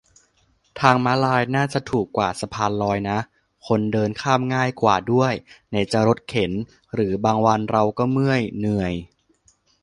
ทางม้าลายน่าจะถูกกว่าสะพานลอยนะ คนเดินข้ามง่ายกว่าด้วย ไหนจะรถเข็น หรือบางวันเราก็เมื่อย เหนื่อย